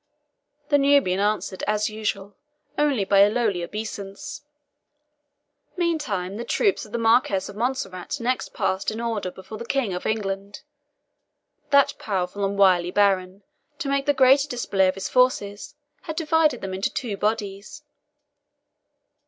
The Nubian answered, as usual, only by a lowly obeisance. Meantime the troops of the Marquis of Montserrat next passed in order before the King of England. That powerful and wily baron, to make the greater display of his forces, had divided them into two bodies.